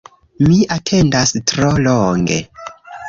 Mi atendas tro longe